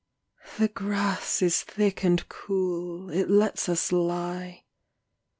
The grass is thick and cool, it lets us lie.